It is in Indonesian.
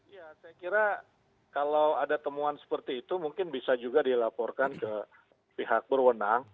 ya saya kira kalau ada temuan seperti itu mungkin bisa juga dilaporkan ke pihak berwenang